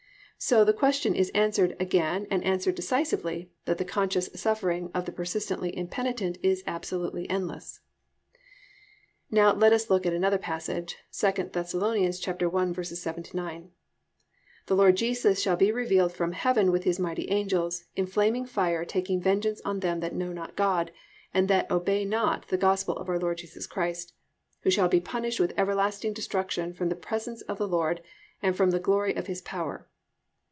_ So the question is answered again and answered decisively that the conscious suffering of the persistently impenitent is absolutely endless. 3. Now let us look at another passage, II Thess. 1:7 9: +"The Lord Jesus shall be revealed from heaven with His mighty angels, in flaming fire taking vengeance on them that know not God, and that obey not the gospel of our Lord Jesus Christ: who shall be punished with everlasting destruction from the presence of the Lord, and from the glory of His power."